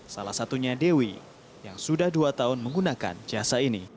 salah satunya dewi yang sudah dua tahun menggunakan jasa ini